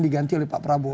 diganti oleh pak prabowo